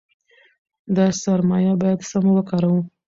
دا سرمایه باید سمه وکاروو.